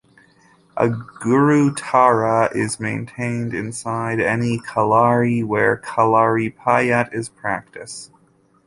A guruttara is maintained inside any kalari where kalaripayat is practiced.